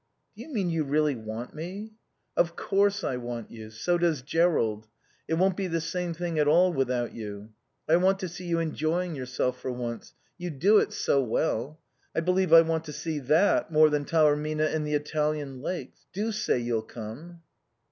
"Do you mean you really want me?" "Of course I want you. So does Jerrold. It won't be the same thing at all without you. I want to see you enjoying yourself for once. You'd do it so well. I believe I want to see that more than Taormina and the Italian Lakes. Do say you'll come."